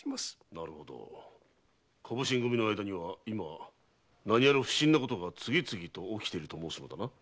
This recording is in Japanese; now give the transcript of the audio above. なるほど小普請組の間には今何やら不審なことが次々と起きていると申すのだな？